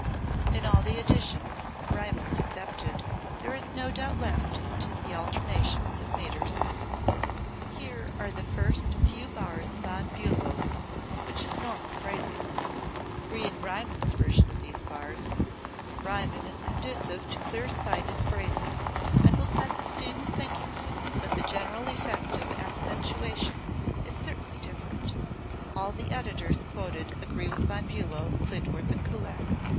In all the editions, Riemann's excepted, there is no doubt left as to the alternations of metres. Here are the first few bars of Von Billow's, which is normal phrasing: [Musical score excerpt] Read Riemann's version of these bars: [Musical score excerpt] Riemann is conducive to clear sighted phrasing, and will set the student thinking, but the general effect of accentuation is certainly different. All the editors quoted agree with Von Bulow, Klindworth and Kullak.